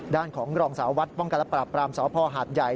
ด้านของรองสาววัดป้องกันและปราบปรามสพหาดใหญ่